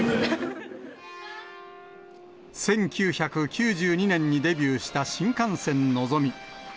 １９９２年にデビューした新幹線のぞみ。